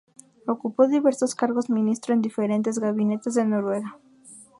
Ocupó diversos cargos ministro en diferentes gabinetes de Noruega.